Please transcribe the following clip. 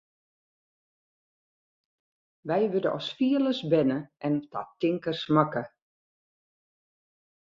Wy wurde as fielers berne en ta tinkers makke.